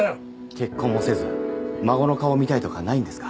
結婚もせず孫の顔見たいとかないんですか？